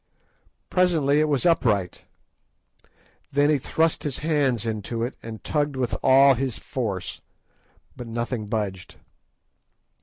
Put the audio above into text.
Presently it was upright. Then he thrust his hands into it and tugged with all his force, but nothing budged.